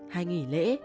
hay nghỉ lễ